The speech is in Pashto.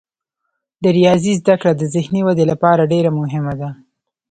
د ریاضي زده کړه د ذهني ودې لپاره ډیره مهمه ده.